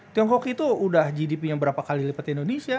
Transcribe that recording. tiongkok itu udah gdpnya berapa kali lipat indonesia